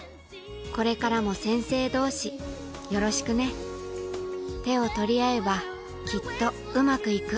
これからも先生同士よろしくね手を取り合えばきっとウマくいく